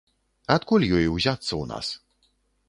Адкуль ёй узяцца ў нас?